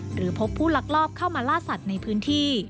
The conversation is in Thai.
หรือพบผู้ลักลอบเข้ามาล่าสัตว์ในพื้นที่